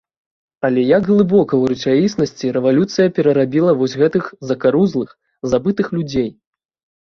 Але як глыбока ў рэчаіснасці рэвалюцыя перарабіла вось гэтых закарузлых, забытых людзей!